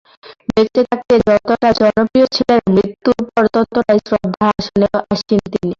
বেঁচে থাকতে যতটা জনপ্রিয় ছিলেন, মৃত্যুর পরও ততটাই শ্রদ্ধার আসনে আসীন তিনি।